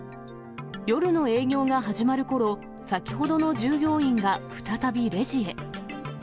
夜の営業が始まるころ、先ほどの従業員が再びレジへ。